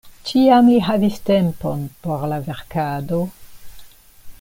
Tiam li havis tempon por la verkado.